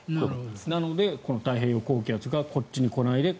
なので、太平洋高気圧がこっちに来ないで。